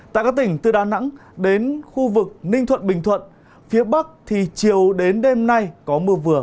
tại các tỉnh từ đà nẵng đến khu vực ninh thuận bình thuận phía bắc thì chiều đến đêm nay có mưa vừa